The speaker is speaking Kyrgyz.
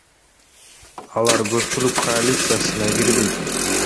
Алар көпчүлүк коалициясына кирбейт.